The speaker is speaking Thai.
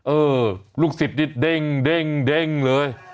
เออลูกศิษย์นี่เด้งเลย